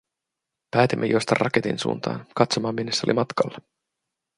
Päätimme juosta raketin suuntaan, katsomaan minne se oli matkalla.